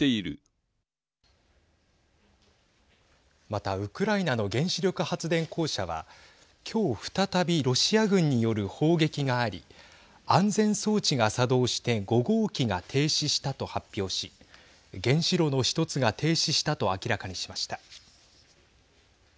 また、ウクライナの原子力発電公社は今日、再びロシア軍による砲撃があり安全装置が作動して５号機が停止したと発表し原子炉の１つが停止したと明らかにしました。